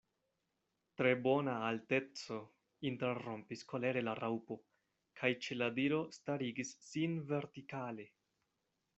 "Tre bona alteco," interrompis kolere la Raŭpo, kaj ĉe la diro starigis sin vertikale.